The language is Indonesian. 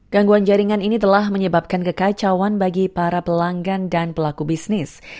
gangguan jaringan ini telah menyebabkan kekacauan bagi para pelanggan dan pelaku bisnis